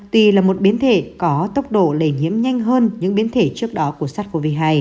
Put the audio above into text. tuy là một biến thể có tốc độ lây nhiễm nhanh hơn những biến thể trước đó của sars cov hai